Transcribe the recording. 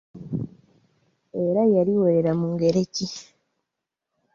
Era yaliwolera mu ngeri ki?